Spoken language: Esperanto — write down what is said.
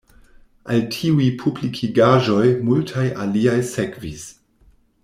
Al tiuj publikigaĵoj multaj aliaj sekvis.